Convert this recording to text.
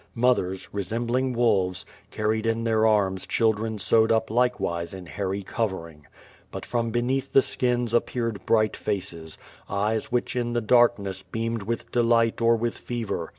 Mothers, resemBlHig wolves, carried in their arms children sewed up likewise Un hairy covering. But from beneath the skins appeared bright faces, eyes wliich in the darkness beamed with delight or with fever.